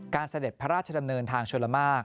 เสด็จพระราชดำเนินทางชลมาก